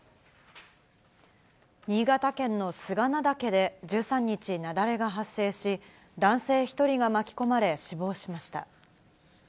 新潟県の菅名岳で、１３日、雪崩が発生し、男性１人が巻き込まれ死亡しました。